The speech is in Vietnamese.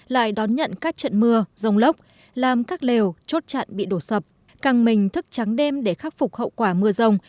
lại đón nhận các trận mưa rông lốc làm các lều chốt chặn bị đổ sập càng mình thức trắng đêm để khắc phục hậu quả mưa rông